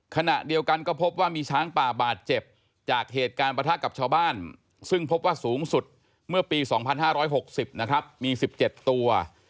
ขณะเดียวกันก็พบว่ามีช้างป่าบาดเจ็บจากเหตุการณ์ประทะกับชาวบ้านซึ่งพบว่าสูงสุดเมื่อปี๒๕๖๐นะครับมี๑๗ตัว